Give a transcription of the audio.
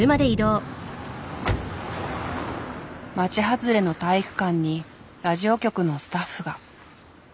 町外れの体育館にラジオ局のスタッフが。